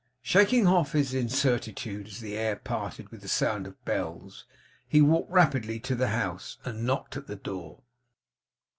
Shaking off his incertitude as the air parted with the sound of the bells, he walked rapidly to the house, and knocked at the door.